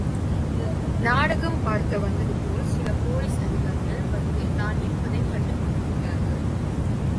நாடகம் பார்க்க வந்ததுபோல் சில போலீஸ் அதிகாரிகள் வந்து நான் இருப்பதைக் கண்டுபிடித்துவிட்டார்கள்.